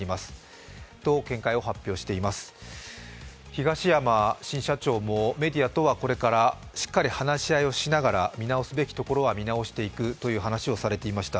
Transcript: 東山新社長もメディアとはこれからしっかり話し合いをしながら、見直すべきところは見直していくという話をしていました。